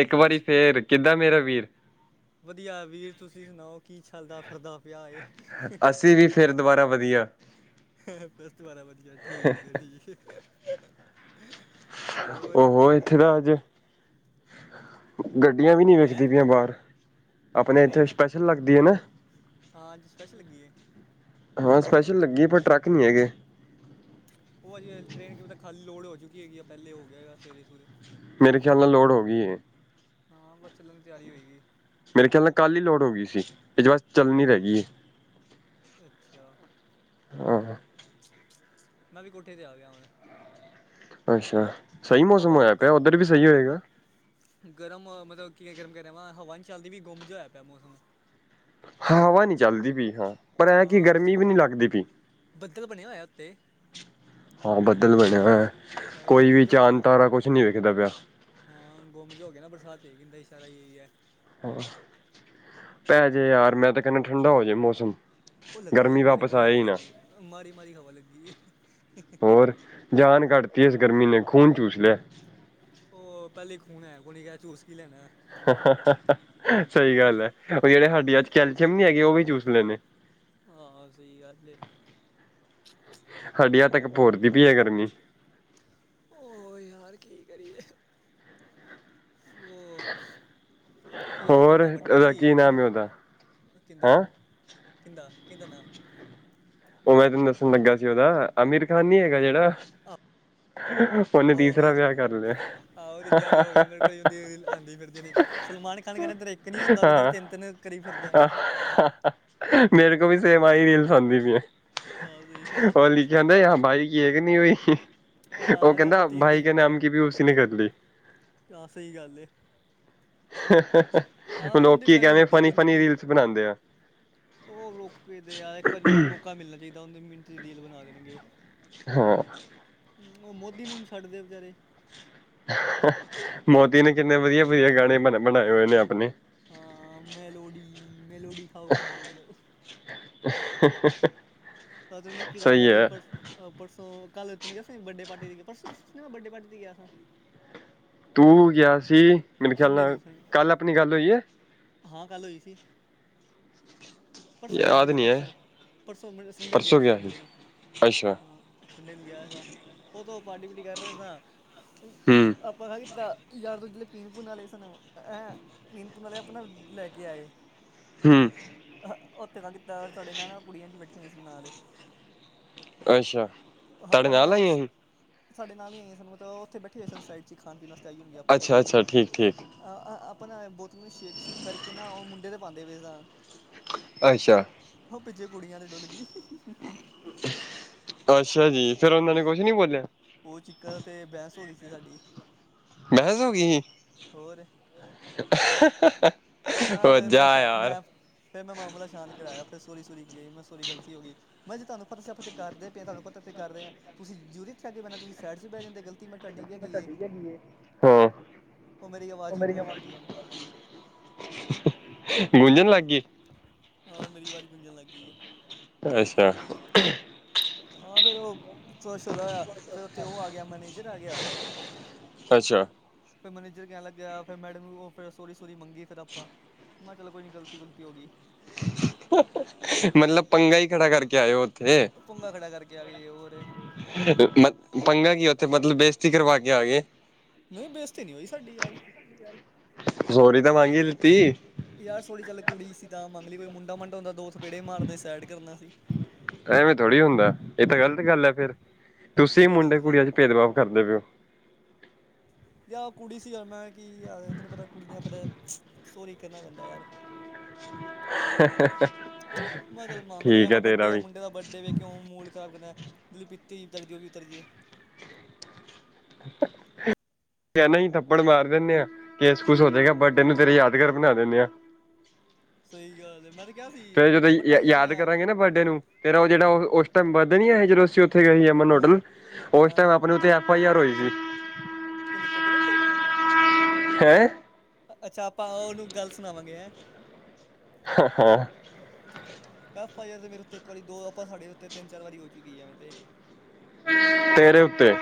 ਇੱਕ ਵਾਰੀ ਫੇਰ ਕਿੱਦਾਂ ਮੇਰਾ ਵੀਰ? ਵਧੀਆ ਵੀਰ ਤੁਸੀਂ ਸੁਣਾਓ, ਕੀ ਛੱਲਦਾ ਫਿਰਦਾ ਪਿਆ ਏ? ਅਸੀਂ ਵੀ ਫੇਰ ਦੁਬਾਰਾ ਵਧੀਆ ਬਸ ਦੁਬਾਰਾ ਵਧੀਆ ਠੀਕ ਐ ਠੀਕ। ਹੋਰ ਉਹ ਹੋ ਇੱਥੇ ਦਾ ਅੱਜ। ਗੱਡੀਆਂ ਵੀ ਨਈ ਹੈਂ ਵੇਖਦੀ ਪਿਆਂ ਬਾਹਰ ਆਪਣੇ ਇੱਥੇ ਟ੍ਰੇਨ ਸਪੈਸ਼ਲ ਲੱਗਦੀ ਏ ਨਾ। ਹਾਂ ਅੱਜ ਸਪੈਸ਼ ਲੱਗੀਏ। ਹਾਂ ਸਪੈਸ਼ਲ ਲੱਗੀ ਪਰ ਟਰੱਕ ਨੀ ਹੈਗੇ। ਉਹ ਅਜੇ ਟ੍ਰੇਨ ਕਿ ਪਤਾ ਖਾਲੀ ਲੋੜ ਹੋ ਚੁੱਕੀ ਹੈਗੀ ਆ, ਪਹਿਲੇ ਹੋ ਗਿਆ ਹੋਏਗਾ ਸਵੇਰੇ -ਸੁਵੇਰੇ। ਮੇਰੇ ਖਿਆਲ ਨਾਲ ਲੋੜ ਹੋ ਗਈ ਏ। ਹਾਂ ਬਸ ਚੱਲਣ ਦੀ ਤਿਆਰੀ ਹੋਏਗੀ। ਮੇਰੇ ਖਿਆਲ ਨਾਲ ਕੱਲ ਹੀ ਲੋੜ ਹੋ ਗਈ ਸੀ। ਇਹ ਜ ਬਸ ਚੱਲਣੀ ਰਹਿ ਗਈਏ। ਅੱਛਾ। ਆਹੋ ਮੈਂ ਵੀ ਕੋਠੇ ਤੇ ਆ ਗਿਆ ਹੁਣ। ਅੱਛਾ। ਸਹੀ ਮੌਸਮ ਹਵਾ ਹੋਇਆ ਬੁੱਕਾ ਪਿਆ ਉੱਧਰ ਵੀ ਸਹੀ ਹੋਏਗਾ। ਗਰਮ ਮਤਲਬ ਕੀਵੇ ਗਰਮ ਕਰ ਰਿਹਾ ਵਾਂ ਹਵਾ ਨ ਚੱਲਦੀ ਵੀ ਗੁੰਮ ਜ ਹੋਇਆ ਪਿਆ ਮੌਸਮ। ਹਾਂ ਹਵਾ ਨੀ ਚੱਲਦੀ ਪਈ ਹਾਂ। ਪਰ ਕਿ ਹਾਂ ਇਹ ਤੇ ਗਰਮੀ ਚਕ, ਵੀ ਨਹੀਂ ਲੱਗਦੀ ਪਈ ਬੱਦਲ ਬਣਿਆ ਹੋਇਆ ਉੱਤੇ। ਹਾਂ ਬੱਦਲ ਬਣਿਆ ਏ, ਕੋਈ ਗੁੰਮ ਵੀ ਜਿਹਾ ਹੋਇਆ ਚਾਦ ਫਿਰਦਾ ਤਾਰਾ ਕੁਛ ਨੀ ਵੇਖਦਾ ਪਿਆ। ਹਾਂ ਗੁੰਮ ਜਿਹਾ ਹੋ ਗਿਆ ਨਾ ਬਰਸਾਤ ਤੇ ਗੰਮ ਇਸ਼ਾਰਾ ਇਹ ਹੀ ਹੈ। ਪੈ ਜੇ ਯਾਰ ਮੈਂ ਤਾਂ ਕਹਿੰਦਾ ਠੰਡਾ ਹੋ ਜੇ ਮੌਸਮ। ਗਰਮੀ ਵਾਪਿਸ ਆਏ ਹੀ ਨਾ। ਮਾੜੀ-ਮਾੜੀ, ਹਵਾ ਲੱਗੀ ਏ। ਹੋਰ ਜਾਨ ਕੱਢਤੀ ਏ ਇਸ ਗਰਮੀ ਨੇ ਖੂਨ ਚੂਸ ਲਿਆ। ਉਹ ਪਹਿਲੇ ਖੂਨ ਹੈ ਕੋਨੀ ਚੂਸ ਕੀ ਲੈਣਾ। ਸਹੀ ਗੱਲ ਏ, ਉਹ ਜਿਹੜੇ ਸਾਡੀੇ ਅੱਜ ਕੈਲਸ਼ੀਅਮ ਨੀ ਹੈਗੇ ਉਹ ਵੀ ਚੂਸ ਲੈਣੇ। ਹਾਂ-ਹਾਂ ਸਹੀ ਗੱਲ ਏ। ਹੱਡੀਆਂ ਤੱਕ ਭੁਰਦੀ ਪਈ ਐ ਗਰਮੀ। ਹੋ ਯਾਰ ਕੀ ਕਰੀਏ? [inaudible] ਯਾਰ ਦੋਸਤ ਹੋਰ ਦਾ ਬੱਡੇ ਉਹਦਾ ਕੀ ਸੀ। ਨਾਮ ਹੈ ਤੈਨੂੰ ਉਹਦਾ ਹੈਂ ਕਹਿੰਦਾ-ਕਹਿੰਦਾ- ਕਿਹਿੰਦਾ ਨਾਂ। ਉਹ ਮੈਂ ਤੈਨੂੰ ਦੱਸਣ ਲੱਗਾ ਸੀ, ਉਹਦਾ ਅਮੀਰ ਖਾਨ ਨੀ ਹੈਗਾ ਜਿਹੜਾ। ਉਹਨੇ ਆਹੋ ਤੀਸਰਾ ਅਮੀਰ ਵਿਆਹ ਕਰ ਲਿਆ ਖਾਨ, ਆਹੋ ਤੀਜਾ ਵੀ ਹੋ ਗਿਆ। ਮੇਰੇ ਕੋਲ ਰੀਲ ਆਂਦੀ ਫਿਰਦੀ ਨੇ ਸਲਮਾਨ ਖਾਣ ਕਹਿੰਦਾ ਇੱ ਕੀ ਨੀ ਹੁੰਦਾ ਪਿਆ ਤੇਰੇ ਹਾਂ। ਤਿੰਨ-ਤਿੰਨ ਕਰੀ ਫਿਰਦਾ। ਮੇਰੇ ਕੋਲ ਵੀ ਸੇਮ ਆਈ ਰੀਲਸ ਆਂਦੀ ਪਿਆ। ਹਾਂ ਸਹੀ ਹਾਂ ਓਲੀ ਕਹਿੰਦਾ ਯਹਾਂ ਭਾਈ ਕੀ ਏਕ ਨੀ ਹੁਈ। ਉਹ ਹਾਂ ਕਹਿੰਦਾ ਤਿੰਨ ਤਿੰਨ ਭਾਈ ਕੇਹ ਨਾਮ ਕੀ ਵੀ ਉਸ ਨੇ ਕਰ ਲੀ। ਤਾਂ ਸਹੀ ਗੱਲ ਏ। ਆਹ ਉਹਦੀ ਲੋਕੀ ਵਿਚਾਰੀ ਕੇਨ ਗੇ ਹੁੰਦੀ ਕੋਈ ਨੀ ਫਨੀ-ਫਨੀ ਪੀ ਰੀਲਸ ਬਣਾਦੇ ਆ। ਉਹ ਲੋਕ ਦੇ ਯਾਰ ਇੱਕ ਵਾਰੀਨ ਨੂੰ ਮੌਕਾ ਮਿਲਣਾ ਚਾਹੀਦਾ। ਉਹ ਮਿਹਨਤ ਰੀਲ ਬਣਾ ਦੇਣਗੇ। ਹਾਂ। ਹੂੰ ਉਹ ਮੋਦੀ ਨੂੰ ਨ ਛੱਡਦੇ ਵਿਚਾਰੇ। ਮੋਦੀ ਨੇ ਕਿੰਨੇ ਵਧੀਆ-ਵਧੀਆ ਗਾਣੇ ਬਣ ਬਣਾਏ ਹੋਏ ਨੇ ਆਪਣੇ। ਹਾਂ, ਮੈਲੋਡੀ-ਮੈਲੋਡੀ ਖਾਓ ਖੁਦ ਜਾਣ ਜਾਓ। [inaudible] ਅਧ ਮੈਂ ਕੀ ਦੱਸਦਾ ਸਹੀ ਸੀ ਹੈ ਪਰ ਪਰਸੋਂ ਕੱਲ ਇ ਕਿਹਾ ਸੀ ਬੱਡੇ ਪਾਰਟੀ ਦੀ ਪਰਸੋਂ ਦੱਸਿਆ ਸੀ ਮੈਂ ਵੱਡੇ ਪਾਰਟੀ ਤੇ ਗਿਆ ਸਾਂ। ਤੂੰ ਗਿਆ ਸੀ, ਮੇਰੇ ਖਿਆਲ ਸੰਡੇ ਨੂੰ ਨਾਲ ਸੰ ਕੱਲ੍ਹ ਆਪਣੀ ਗੱਲ ਹੋਈ ਹਾਂ। ਹਾਂ, ਕੱਲ ਹੋਈ ਸੀ ਪਰਸੋਂ ਗਿਆ ਸੀ ਯਾਦ ਮੈਂ ਨਹੀਂ ਪਰਸੋਂ- ਹੈ ਪਰਸੋਂ। ਸੰਡੇ ਨੂੰ ਗਿਆ ਸੀ, ਸੰਡੇ ਨੂੰ ਅੱਛਾ ਸੰਡੇ ਨੂੰ ਗਿਆ ਸ, ਉਹ ਤੋਂ ਪਾਂਟੀ-ਪੀਟੀ ਕਰ ਰਹੇ ਸਾਂ ਹਮ ਆਪਾਂ ਖ ਕੀਤਾ ਯਾਰ ਤਾਂ ਜਿਹੜੇ ਪੀਣ-ਪਣ ਵਾਲੇ ਸਨ ਹੈਂ ਪੀਣ-ਪਣ ਵਾਲੇ ਆਪਣਾ ਲੈ ਕੇ ਆਏ ਹਮ। ਉੱਥੇ ਕ ਕੀਤਾ ਸਾਡੇ ਨਾਲ ਨਾ ਕੁੜੀਆਂ ਚ' ਬੈਠੀਆਂ ਸੀ ਨਾਲ। ਅੱਛਾ ਉਹ ਤੁਹਾਡੇ ਆਪਨ ਨਾਲ ਆਈਆਂ ਸ਼ ਸੀ ਸਾਡੇ ਨਾਲ ਹੀ ਆਈ ਸਾਨੂੰ ਮਤਲਬ ਉੱਥੇ ਬੈਠੇ ਹੋਏ ਸਾਈਡ 'ਚ ਖਣੀਣ ਵਾਸਤੇ, ਆਈ ਹੋਣਗ ਆਪਣੇ ਉਹ ਅੱਛਾ ਵੀ ਅੱਛਾ ਠੀਕ ਠੀਕ ਆਹ ਆਪਣਾ ਬੋਤਲ ਨੂੰ ਕ ਸ਼ੇਕ ਸ਼ੂਕ ਕਰਕੇ ਨਾ ਉਹ ਮੁੰਡੇ ਤੇ ਪਾਉਂਦੇ ਪੇ ਸਾ ਅੱਛਾ। ਉਹ ਪਿੱਛੇ ਕੁੜੀਆਂ ਤੇ ਡੁੱਲ ਗਈੱ ਅੱਛਾ ਜੀ, ਫੇਿਰ ਉਹਨਾਂ ਨੇ ਕੁਛ ਨੀ ਬੋਲਿਆ-' ਉਹ ਚਿੱਕਨ ਤੇ ਬਹਿਸ ਹੋ ਗਈ ਸੀ ਸਾਡੀ ਬਹਿਸ ਹੋ ਗਈ ਸੀ ਹੋਰ ਮੈਂ ਫ ਮੈਂ ਸ਼ ਜਾ ਯਾਰ ਮੈਂ ਫਿਰ ਮੈਂ ਮਾਮਲਾ ਸ਼ਾਂਤ ਕਰਾਆ, ਫਿਰ ਸੋਹਰੀ ਸੋਰੀ ਗਈ, ਮੈਂ ਸੋਹਰੀ ਗਲਤੀ ਹੋ ਗਈ ਮੈਂ ਜੀ ਤਾਂਨੂੰ ਪਤਾ ਸੀ ਫਤਿਹ ਕਰਦੇ ਪਏ ਤੁਹਾਨੂੰ ਪਤਾ ਤੇ ਕਰਦੇ ਆ ਤੁਸੀਂ ਜੂਰੂਰੀ ਇੱਥੇਆਕੇ ਬੈਣਾ ਸੀ, ਤੁਸੀਂ ਸਾਈਡ ਚ ਬਹਿ ਜਾਂਦੇ। ਮੈਂ ਤੁਹਾਡੀ ਵੀ ਹੈਗੀ ਏ ਹਸ। ਉਹ ਮੇਰੀ ਆਵਾਜ਼ ਹੀ ਗੁੰਜਨ ਲੱਗ ਗਈ ਉਹਨੂੰ। ਗੁੰਜਣ ਲੱਗ ਗਈਏ। ਹਾਂ, ਮੇਰੀ ਆਵਾਜ਼ ਗੁੰਜਣ ਲੱਗ ਗਈ। ਅੱਛਾ। ਹਾਂ ਫੇਰ ਉਹ ਥੋ੍ਹਾ-ਛੋਰਾ ਹੋਇਆ, ਫੇਰ ਉੱਥੇ ਉਹ ਆ ਗਿਆ ਮੈਨੇਜਰ ਆ ਗਿਆ [unintelligible] ਅੱਛਾ। ਫੇਰ ਮੈਨੇਜਰ ਕਹਿਣ ਲੱਗਿਆ ਫਿਰ ਮੈਡਮ ਨੂੰ ਉਹ ਫਿਰ ਸੋਰੀ ਸੋਰੀ ਮੰਗੀ ਫਿਰ ਆਪਾਂ। ਮੈਂ ਚੋ ਕੋਈ ਨਹੀਂ ਗਲਤੀ-ਗਲਤੀ ਹੋ ਗਈ। ਮਤਲਬ ਪੰਗਾ ਹੀ ਖੜਾ ਕਰਕੇ ਆਏ ੳਥੇ ਪੁੰਗਾ ਖੜਾ ਕਰਕੇ ਆ ਗਏ, ਹੋਰ। ਪੰਗਾ ਕੀ ਉੱਥੇ, ਮਤਲਬ ਬੇਇਜ਼ਤੀ ਕਰਵਾ ਕੇ ਆ ਗਏ। ਨਹੀਂ ਬੇਸਤੀ ਨਹੀਂ ਹੋਈ ਸਾਡੀ ਯਾਰ ਸੋਰੀ ਤਾਂ ਮੰਗ ਈ ਲੀਤੀ। ਯਾਰ ਸੌਰੀ ਚੱਲ, ਕੁੜੀ ਸੀ ਤਾਂ ਮੰਗ ਲਈ ਮੈਂ ਕੋਈ ਮੁੰਡਾ-ਮੰਡਾ ਹੁੰਦਾ ਦੋ ਥਪੇੜੇ ਮਾਰਦੇ ਸਾਈਡ ਕਰਨਾ ਸੀ। ਐਵੇਂ ਥੋੜ੍ਹੀ ਹੁੰਦਾ, ਇਹ ਤਾਂ ਗ਼ਲਤ ਗੱਲ ਹ ਫਿਰ, ਤੁਸੀਂ ਕੀ ਮੁੰਡੇ ਗ਼ਲਤ ਗੱਲ ਕੁੜੀਆਂ ਚ ਭੇਦਭਾਵ ਕਰਦੇ ਪੲਏ ਹੋ ਯ ਕੁੜੀ ਸੀ ਯ ਮੈਂ ਕਿ ਯ ਤੈਨੂੰ ਪਤਾ ਕੁੜੀਆਂ ਫੇਿਰ ਸੋਰੀ ਕਹਿੰਨਾ ਪੈਂਦਾ ਯਾਰ ਮ ਚਲ ਮੰਗ ਲਓ ਠੀਕ ਐ ਹੈ ਤੇਰਾ ਬਡੇ ਆ ਵੀ ਮੁੰਡੇ ਦਾ ਬਡੇ ਵੇਖ ਕਿਉਂ ਮੂੜ ਖਰਾਬ ਕਰਨਾ, ਪੀਤੀ ਜੋ ਵੀ ਉਤਰ ਜਾਏ [inaudible] ਕਹਿਣਾ ਹੀ ਥੱਪੜ ਮਾਰ ਦਿੰਦੇ ਹਾਂ, ਕੇਸ ਕੁਸ ਹੋ ਜਾਵੇਗਾ ਬਡੇ ਨੂੰ ਤੇਰੇ ਯਾਦਗਾਰ ਬਣਾ ਦਿੰਨੇ ਆ ਸਹੀ ਗੱਲ ਮੈਂ ਤੇ ਕਿਹਾ ਸੀ, ਮੈਂ ਕਿਹਾ ਟੈਨਸ਼ਨ ਨਾ ਲੈ ਲੈ ਵੱਡੇ ਨੂੰ ਤੇਰਾ ਉਹ ਜਿਹੜਾ ਉਹ ਉਸ ਟਾਈਮ ਬਡੇ ਜਦੋਂ ਅਸੀਂ ਉੱਥੇ ਗਏ ਸੀ ਅਮਨ ਹਾਂ ਹੋਟਲ, ਉਸ ਟਾਈਮ ਹਾਂ-ਹਾਂ ਆਪਣੇ ਐਫ ਆਈ ਆਰ ਹੋ ਸੀ ਕਿਦੇ ੳਤੇ ਤੇਰੇ ੳਤੇੇ ਹੈਂ ਅੱਛਾ ਆਪਾਂ ਉਹਨੂੰ ਗੱਲ ਸੁਨਾਵਾਂਗੇ, ਹੈ ਹਾਂ- ਹਾਂ ਐਫ ਆਈ ਆਰ ਤੇ ਮੇਰੇ ਉੱਤੇ ਇੱਕ ਵਾਰੀ ਦੋ ਆਪਾ ਸਾਡੇ ਉੱਤੇ ਤਿੰਨ ਚਾਰ ਵਾਰੀ ਹੋ ਚੁੱਕੀ ਹੈ ਐਵੇਂ ਤੇ ਤੇਰੇ ਉੱਤੇ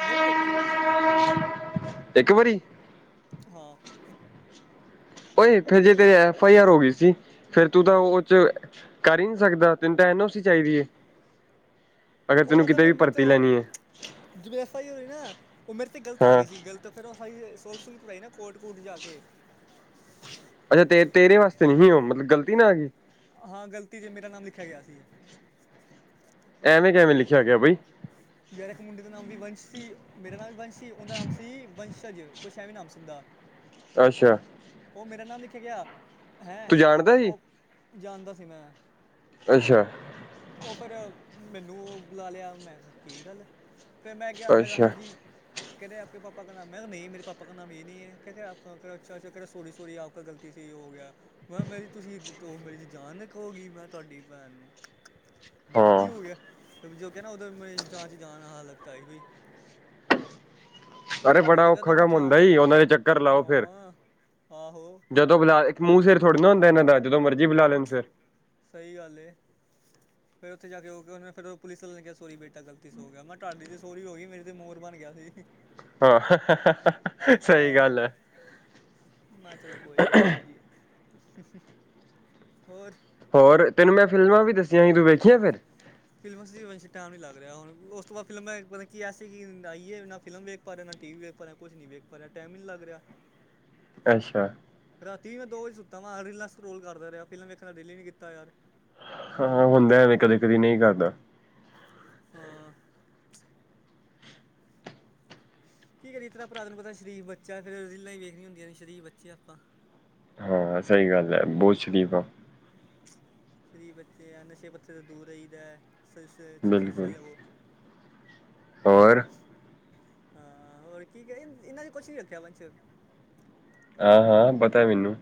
ਉਹ ਮੇਨੂੰ ਤੇ ਇੱਕ ਵਾਰੀ ਵੀ ਸੀ ਇੱਕ ਵਾਰੀ ਹਾਂ ਓਹੇ ਫੇਿਰ ਜੇ ਤੇਰੀ ਐਫ ਆਈ ਆਰ ਹੋ ਗਈ ਸੀ, ਫੇਿਰ ਤੂੰ ਤਾਂ ਹਾਂ ਉਹ ਕਰ ਹੀ ਨਹੀ ਸਕਦਾ ਤੈਨ ਤਾਂ ਐਨ ਓ ਸੀ ਚਾਹੀਦੀ ਹੈ ਅਗਰ ਉਹ ਤੈਨੂੰ ਮਤਲਬ ਕਿਤੇ ਫਿਰ ਵੀ ਮੇਰੇ ਭਰਤੀ ਲੈਣੀ ਹੈ ਤੇ ਜਿਵੇ ਏਫ ਆਈ ਨਾ ਉਹ ਮੇਰੇ ਤੇ ਗ਼ਲਤ ਆ ਹਾਂ ਗਈ ਸੀ ਗ਼ਲਤ ਤੇ ਫੇਿਰ ਉਹ ਸਹੀ ਸੁਲ ਸੁਲ ਪੜਾਈ ਨਾ ਕੋਟ ਕੁਟ ਜਾ ਕੇ ਅੱਛਾ ਤੇ ਤੇਰੇ ਵਾਸਤੇ ਨਹੀਂ ਸੀ ਉਹ ਮਤਲਬ ਗਲਤੀ ਨਾ ਆ ਗਈ ਹਾਂ ਗਲਤੀ ਜ ਮੇਰਾ ਨਾਮ ਲਿਖਿਆ ਗਿਆ ਸੀ ਐਵੇਂ ਕਿਵੇਂ ਲਿਖਿਆ ਗਿਆ ਬਈ ਯਾਰ ਇਕ ਮੁੰਡੇ ਦਾ ਨਾਮ ਵੀ ਵੰਸ਼ ਸੀ, ਮੇਰਾ ਨਾਮ ਵੀ ਵੰਸ਼ ਸੀ, ਉਹਦਾ ਨਾਮ ਸੀ ਵੰਸ਼ਜ ਕੁਛ ਐ ਵੀ ਨਾਮ ਸੁਨਦਾ ਅੱਛਾ। ਉਹ ਮੇਰਾ ਨਾਮ ਲਿਖ ਕੇ ਗਿਆ, ਹੈਂ ਤੂੰ ਜਾਣਦਾ ਸੀ ਉਹ ਜਾਣਦਾ ਸੀ ਮੈਂ। ਅੱਛਾ। ਉਹ ਫੇਰ ਮੈਨੂੰ ਉਹ ਬੁਲਾ ਲਿਆ ਮੈਂ ਕਿਹਾ ਕੀ ਗੱਲ ਆ। ਫਿਰ ਮੈਂ ਗਿਆ, ਮੈਂ ਕਿਹਾ ਅੱਛਾ ਹਾਂਜੀ। ਕੈਂਦੇ ਆਪਕੇ ਪਾਪਾ ਕਾ ਨਾਮ, ਮੈਂ ਨਹੀਂ ਮੇਰੇ ਪਾਪਾ ਕਾ ਨਾਮ ਇਹ ਨੀ ਐ, ਕੈਂਦੇ ਆਪ ਅੱਛਾ ਅੱਛਾ ਕੈਂਦੇ ਸੋਰੀ ਸੋਰੀ ਆਪ ਗ਼ਲਤੀ ਸੇ ਹੋ ਗਿਆ, ਮੈਂ ਕਿਹਾ ਮੇਰੀ ਤੁਸੀਂ ਉਹ ਮੇਰੀ ਜਾਨ ਖੋ ਗਈ, ਮੈਂ ਕਿਹਾ ਤੁਹਾਡੀ ਭੈਣ ਨੂੰ। ਮੈਂ ਕਿਹਾ ਕੀ ਹਾਂ ਹੋ ਗਿਆ ਜੋ ਕਹਿ ਨਾ ਉਧਰ ਮਰੇ ਜਾਂ ਚ ਜਾਣ ਹਾਲਤ ਤਾਂ ਆਈ ਬਈ ਅਰੇ ਮੈਂ ਬੜਾ ਤੇ ਕਹਤਾ ਔਖਾ ਮੈਂ ਕੰਮ ਚਾਂ ਹੁੰਦਾ ਈ ਉਹਨਾਂ ਦੇ ਚੱਕਰ ਲਾਓ ਫੇਿਰ ਹਾਂ ਆਹੋ ਜਦੋਂ ਬੁਲਾ ਇੱਕ ਮੂੰਹ ਸਿਰ ਥੋੜੇੀ ਹੁੰਦਾ ਇਹਨਾਂ ਦਾ ਜਦੋਂ ਮਰਜ਼ੀ ਬੁਲਾ ਲੈਨ ਫੇਰ ਸਹੀ ਗੱਲ ਫੇਿਰ ਉੱਥੇ ਜਾ ਕੇ ਉਹਨੇ ਫਿਰਰ ਪੁਲਿਸ ਵੱਲ ਨੇ ਕਿਹਾ ਸੋਰੀ ਬੇਟਾ ਗਲਤੀ ਸੇ ਹੋ ਗਿਆ, ਮੈਂ ਤੁਹਾਡੀ ਤੇ ਸੋਰੀ ਹੋ ਗਈ ਮੇਰੇ ਤੇ ਮੋਰ ਬਣ ਗਿਆ ਸੀ ਹ ਹਾ ਮੈਂ ਚਲ ਕੋਈ ਗੱਲ ਨੀ ਜੀ ਹੋਰ ਹੋਰ ਤੈਨੂੰ ਮੈਂ ਫਿਲਮਾਂ ਵੀ ਦੱਸੀਆਂ ਸੀ ਤੂੰ ਵੇਖੀਆਂ ਫਿਰ ਫਿਲਮ ਟਾਈਮ ਨਹੀਂ ਲੱਗ ਰਿਹਾ ਹੁਣ ਉਸ ਤੋਂ ਬਾਅਦ ਫਿਲਮਾਂ ਮਤਲਬ ਕੀ ਐ ਸੀ ਕਿ ਆਈਏ ਨਾ ਫਿਲਮ ਵ ਪਾ ਰਿਹਾ ਨਾ ਟੀਵੀ ਵੇਖ ਪਾ ਰਿਹਾ ਕੁਛ ਵੇਖ ਪਾ ਰਿਹਾ ਟੈਮ ਹੀ ਨਹੀਂ ਲੱਗ ਰਿਹਾ ਅੱਛਾ ਰਾਤੀ ਵੀ ਮੈਂ ਦੋ ਵਜੇ ਸੁੱਤਾ ਵਾਂ ਰੀਲਾਂ ਸਕਰੋਲ ਕਰਦਾ ਰਿਹਾ ਫਿਲਮ ਵੇਖਣ ਦਾ ਦਿਲ ਹੀ ਨਹੀਂ ਕੀਤਾ ਯਾਰ ਹਾਂ ਹੁੰਦਾ ਐਵੇਂ ਕਦੇ ਕਦੀ ਨਹੀਂ ਕਰਦਾ ਹਾ। ਕੀ ਕਰੀਏ ਤੇਰਾ ਭਰਾ ਤੈਨੂੰ ਪਤਾ ਸ਼ਰੀਫ ਬੱਚਾ, ਫਿਰ ਰੀਲਾਂ ਹੀ ਵੇਖੀਆਂ ਹੁੰਦੀਆਂ ਨੇ ਸ਼ਰੀਫ ਬੱਚੇ ਆਪਾਂ। ਹਾਂ, ਸਹੀ ਗੱਲ ਐ ਬਹੁਤ ਸ਼ਰੀਫ ਆ। ਸ਼ਰੀਫ਼ ਬੱਚੇ ਆ, ਨਸ਼ੇ ਪੱਤੇ ਤੇ ਦੂਰ ਰਹੀਦਾ। ਅੱਛੀ ਅੱਛੀ ਸ਼ਿਕਸ਼ਾ ਬਿਲਕੁਲ ਲਵੋ। ਹੋਰ? ਹਾਂ, ਹੋਰ ਕੀ ਕਿਹਾ ਇਹਨਾਂ ਚ ਕੁਛ ਨੀ ਰੱਖਿਆ ਵੰਸ਼। ਹਾਂ ਹਾਂ ਪਤਾ ਏ ਮੈਨੂੰ।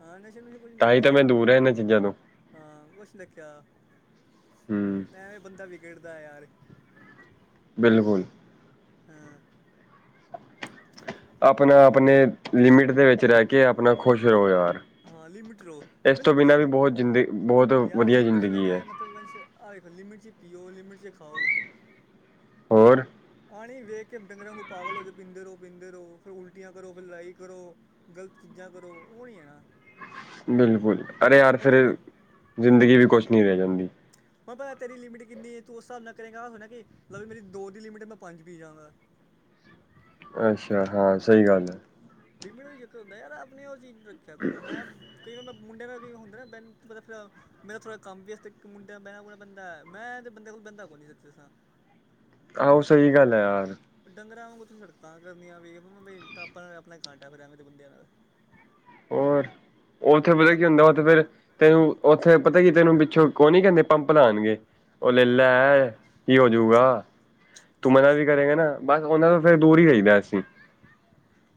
ਹਾਂ, ਨਸ਼ੇ ਨੁਸ਼ੇ ਕੁਛ ਨੀ ਤਾਂ ਹੀ ਤਾਂ ਰੱਖਿਆ। ਮੈਂ ਦੂਰ ਹੈ ਇਹਨਾਂ ਚੀਜ਼ਾਂ ਤੋਂ ਹਾਂ, ਕੁਛ ਨੀ ਰੱਖਿਆ, ਹਮ ਐਵੇਂ ਬੰਦਾ ਵਿਗੜਦਾ ਯਾਰ। ਬਿਲਕੁਲ। ਹਾ। ਆਪਣਾ ਆਪਣੇ ਲਿਮਿਟ ਦੇ ਵਿੱਚ ਰਹਿ ਕੇ ਆਪਣਾ ਖੁਸ਼ ਰਹੋ ਯਾਰ। ਹਾਂ ਲਿਮਿਟ ਰਹੋ ਇਸ ਮੈਂ ਤੋਂ ਲਿਮਿਟ ਚ ਬਿਨਾਂ ਵੀ ਪੀਣਾ ਬਹੁਤ ਜਿੰਦ ਬਹੁਤ ਯਾਰ ਵਧੀਆ ਲਿਮਿਟ ਚ ਜ਼ਿੰਦਗੀ ਐ। ਰਹਿਣਾ ਵੰਸ਼ ਇਕ ਲਿਮਟ ਚ ਪੀਓ ਲਿਮਟ ਚ ਖਾਓ। ਹੋਰ? ਆਣੀ ਵੇਖ ਕੇ ਡੰਗਰਾਂ ਵਾਂਗੂੰ ਪਾਗਲ ਹੋ ਜੇ, ਪੀਂਦੇ ਰਹੋ ਪੀਂਦੇ ਰਹੋ, ਫਿਰ ਉਲਟੀਆਂ ਕਰੋ, ਫਿਰ ਲੜਾਈ ਕਰੋ। ਗ਼ਲਤ ਚੀਜ਼ਾਂ ਕਰੋ, ਉਹੀ ਆ ਨਾ। ਬਿਲਕੁਲ, ਅਰੇ ਯਾਰ ਹੁਣ ਤੈਨੂੰ ਫਿਰ ਪ ਜ਼ਿੰਦਗੀ ਹੂੰ ਹੂੰ ਵੀ ਕੁਛ ਨਹੀਂ ਰਹਿ ਜਾਂਦੀ। ਹੁਣ ਪਤਾ ਤੇਰੀ ਲਿਮਿਟ ਕਿੰਨੀ ਏ ਤੂੰ ਉਸ ਹਿਸਾਬ ਨਾਲ ਕਰੇਗਾ, ਆ ਥੋੜੀ ਨਾ ਕਿ ਮੇਰੀ ਦੋ ਦੀ ਲਿਮਿਟ ਮੈਂ ਪੰਜ ਪੀ ਜਾਵਾਂਗਾ। ਅੱਛਾ, ਹਾਂ ਸਹੀ ਗੱਲ। ਲਿਮਿਟ ਦਾ ਵੀ ਚੱਕਰ ਹੁੰਦਾ, ਯਾਰ ਆਪਣੇ ਉਹ ਚੀਜ਼ ਰੱਖਿਆ ਕਰੋ। ਮੈਂ ਕਈ ਵਾਰ ਮੈਂ ਮੁੰਡਿਆਂ ਨਾਲ ਕਈ ਹੁੰਦੇ ਨਾ ਬਹਿਣ ਖਲੋਣ ਫਿਰ ਮੇਰਾ ਥੋੜ੍ਹਾ ਕੰਮ ਵੀ ਇਸ ਇੱਕ ਮੁੰਡਿਆਂ ਨਾਲ ਬਹਿਣਾ ਬੂਹਣਾ ਪੈਂਦਾ, ਮੈਂ ਇਹੋ ਜਿਹੇ ਬੰਦੇ ਕੋਲ ਬਹਿੰਦਾ ਕੋਈ ਨੀ ਸੱਚੀ ਦੱਸਾਂ। ਆਹੋ ਸਹੀ ਗੱਲ ਐ ਯਾਰ। ਡੰਗਰਾਂ ਵਾਂਗੂੰ ਉੱਥੇ ਹਰਕਤਾ ਕਰਨੀਆਂ ਪੀ ਕੇ, ਆਪਾ ਤੇ ਆਪਣਾ ਖਾਣ ਬਹਿ ਪੈਣਾ ਬੰਦਿਆਂ ਨਾਲ। ਹੋਰ, ਉੱਥੇ ਜੇ ਪਤਾ ਕੀ ਆਪਣੀ ਹੁੰਦਾ, ਉੱਥੇ ਫੇਰ ਤੈਨੂੰ ਉੱਥੇ ਪਤਾ ਕੀ ਤੈਨੂੰ ਪਿੱਛੋਂ ਉਹ ਨੀ ਕਹਿੰਦੇ, ਪੰਪ ਲਾਉਣਗੇ ਉਹ ਲੈ ਹਾਂ ਲੈ। ਕੀ ਹੋਜੂਗਾ ਤੂੰ ਮਨਾ ਵੀ ਕਰੇਗਾ ਨਾ ਬਸ ਉਹਨਾਂ ਤੋਂ ਫਿਰ ਦੂਰ ਹੀ ਰਹੀਦਾ ਅਸੀਂ,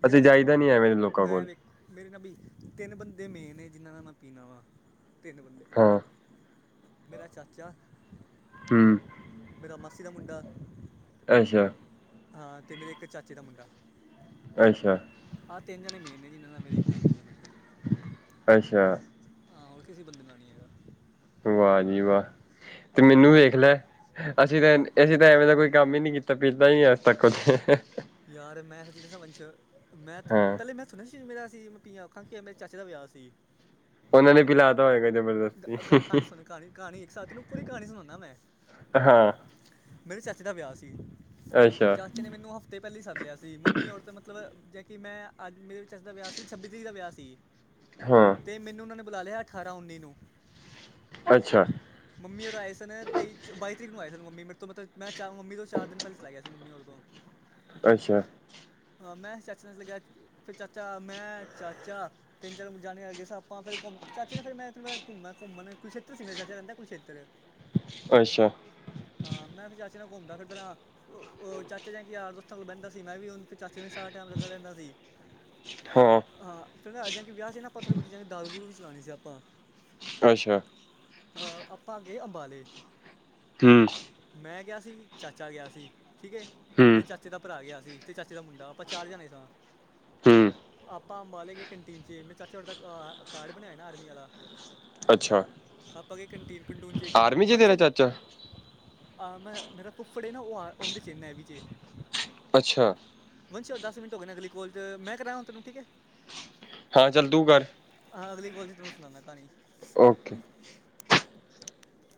ਜਾਂ ਅਸੀਂ ਜਾਈਦਾ ਨਹੀਂ ਐਵੇਂ ਲੋਕਾਂ ਮੈਂ ਕੋਲ। ਵੇਖ ਮੇਰੇ ਤਾਂ ਬਈ ਤਿੰਨ ਬੰਦੇ ਮੇਨ ਨੇ ਜਿਹਨਾਂ ਦਾ ਨਾ ਪੀਣਾ ਵਾ। ਤਿੰਨ ਬੰਦੇ, ਹਾਂ ਮੇਰਾ ਚਾਚਾ ਹਮ। ਮੇਰਾ ਮਾਸੀ ਦਾ ਮੁੰਡਾ ਅੱਛਾ। ਹਾਂ ਤੇ ਮੇਰੇ ਇੱਕ ਚਾਚੇ ਦਾ ਮੁੰਡਾ। ਅੱਛਾ, ਆਹ ਤਿੰਨ ਜਣੇ ਮੇਨ ਨੇ ਜਿਹਨਾਂ ਨਾਲ ਮੇਰੀ ਪੀਣੀ ਆ ਮਤਲਬ। ਅੱਛਾ। ਹਾਂ, ਹੋਰ ਕਿਸੇ ਬੰਦੇ ਨਾਲ ਨਹੀਂ ਹੈਗਾ। ਵਾਹ ਜੀ ਵਾਹ! ਤੇ ਮੈਨੂੰ ਹਾਂ ਵੇਖ ਲੈ, ਅਸੀਂ ਤਾਂ ਹਾਂ ਅਸੀਂ ਤਾਂ ਐਵੇਂ ਦਾ ਕੋਈ ਕੰਮ ਹੀ ਨੀ ਕੀਤਾ ਪੀਤਾ ਹੀ ਆ ਨਹੀਂ ਅੱਜ ਤੱਕ ਕੁਛ। ਯਾਰ ਮੈ ਸੱਚੀ ਦੱਸਾ ਵੰਸ਼, ਮੈ ਹਾਂ ਪਹਿਲੇ ਮੈਂ ਨਸੀ [inaudible] ਮੇਰਾ ਸੀ ਕੀ ਆਖਾਂ ਕਿ ਮੇਰੇ ਚਾਚੇ ਦਾ ਵਿਆਹ ਸੀ। ਉਹਨਾਂ ਨੇ ਪਿਲਾ ਤਾ ਹੋਏਗਾ ਗ ਗ ਜਬਰਦਸਤੀ। ਕਹਾਣੀ ਸੁਣ ਕਹਾਣੀ ਕਹਾਣੀ ਇੱਕ ਸਾਥ ਨੂੰ ਪੂਰੀ ਕਹਾਣੀ ਸੁਣਾਉਦਾ ਮੈਂ ਹਾ। ਮੇਰੇ ਚਾਚੇ ਦਾ ਵਿਆਹ ਸੀ। ਅੱਛਾ ਚਾਚੇ ਨੇ ਮੈਨੂੰ ਤੇ ਪਹਿਲੇ ਹੀ ਸੱਦ ਲਿਆ ਸੀ, ਮੰਮੀ ਹੋਰੀ ਤੇ ਮਤਲਬ ਜਿਵੇਂ ਕਿ ਮੈਂ ਅੱਜ ਮੇਰੇ ਚਾਚੇ ਦਾ ਵਿਆਹ ਸੀ, ਛੱਬੀ ਤਰੀਕ ਦਾ ਵਿਆਹ ਸੀ। ਹਾਂ ਤੇ ਮੈਨੂੰ ਉਨ੍ਹਾਂ ਨੇ ਬੁਲਾ ਲਿਆ, ਅਠਾਰਾਂ ਉੱਨੀ ਨੂੰ। ਅੱਛਾ। ਮੰਮੀ ਔਰਾਂ ਆਏ ਸਨ ਤੇਈ ਬਾਈ ਤਰੀਕ ਨੂੰ ਆਏ ਸਨ। ਮੰਮੀ ਮੇਰੇ ਤੋਂ ਮਤਲਬ ਮੈਂ ਚਾਰ ਮੰਮੀ ਤੋਂ ਚਾਰ ਦਿਨ ਪਹਿਲੇ ਚਲਾ ਗਿਆ ਸੀ ਮੰਮੀ ਹੋਰਾਂ ਤੋਂ ਅੱਛਾ। ਹਾਂ, ਮੈਂ [unintelligible] ਲੱਗਿਆ ਫੇਰ ਚਾਚਾ ਮੈਂ ਚਾਚਾ ਤਿੰਨ ਚਾਰ ਜਾਣੇ ਆ ਗਏ ਸਾਂ ਆਪਾਂ ਫੇਰ ਘੁੰਮ ਚਾਚੇ ਨੇ ਫੇਰ ਮੈਂ ਘੁੰਮਣਾ ਘੁੰਮਣ ਕੁਰਕਸ਼ੇਤਰ ਰਹਿੰਦਾ ਸੀ ਮੇਰਾ ਚਾਚਾ ਕੁਰਕਸ਼ੇਤਰ। ਅੱਛਾ। ਹਾਂ ਮੈਂ ਫਿਰ ਚਾਚੇ ਨਾਲ ਘੁੰਮਦਾ ਫਿਰਦਾ ਉਹ ਚਾਚੇ ਦਾ ਕਿ ਯਾਰਾਂ ਦੋਸਤਾਂ ਨਾਲ ਬਹਿੰਦਾ ਸੀ ਮੈਂ ਵੀ ਉਹ ਚਾਚੇ ਨੂੰ ਸਾਰਾ ਟਾਈਮ ਲੱਗਾ ਰਹਿੰਦਾ ਸੀ। ਹਾਂ ਫਿਰ ਅੱਗੇ ਜਾ ਕੇ ਵਿਆਹ ਸੀ ਨਾ ਆਪਾਂ ਥੋੜ੍ਹੀ ਬਹੁਤੀ ਦਾਰੂ ਦੂਰੂ ਵੀ ਚਲਾਣੀ ਸੀ ਆਪਾਂ। ਅੱਛਾ। ਹਾਂ ਆਪਾਂ ਆ ਗਏ ਅੰਬਾਲੇ ਹਮ। ਮੈਂ ਗਿਆ ਸੀ ਚਾਚਾ ਗਿਆ ਸੀ ਠੀਕ ਏ। ਹੂੰ ਤੇ ਚਾਚੇ ਦਾ ਭਰਾ ਗਿਆ ਸੀ ਤੇ ਚਾਚੇ ਦਾ ਮੁੰਡਾ ਆਪਾਂ ਚਾਰ ਜਾਣੇ ਸਾਂ। ਹੂੰ ਆਪਾਂ ਅੰਬਾਲੇ ਗਏ ਕੰਟੀਨ ਚ ਮੇਰੇ ਚਾਚੇ ਹੋਰੀ ਦਾ ਕਾਰਡ ਬਣਿਆ ਨਾ ਆਰਮੀ ਵਾਲਾ। ਅੱਛਾ। ਆਪਾਂ ਗਏ ਕੰਟੀਨ ਕੰਟੂਨ ਚੇ ਇਕ ਆਰਮੀ ਚ ਵੰਸ਼ ਤੇਰਾ ਜ ਚਾਚਾ ਆ ਮੇਰਾ ਫੁਫੜ ਹੈ ਨਾ ਉਹ ਆ ਉਹਦੇ ਚ ਹੈ ਨੇਵੀ ਚ ਹੈ। ਅੱਛਾ। ਵੰਸ਼ ਦੱਸ ਮਿੰਟ ਹੋ ਗਏ ਨੇ ਅਗਲੀ ਕੋਲ ਮੈਂ ਕਰਾਂ ਉਹ ਤੈਨੂੰ ਠੀਕ ਹੈ? ਹਾਂ ਚੱਲ ਤੂੰ ਕਰ। ਹਾਂ ਅਗਲੀ ਕਾਲ ਚ' ਤੂੰ ਸੁਣਾਉਦਾ ਕਹਾਣੀ। ਓਕੇ। [unintelligible]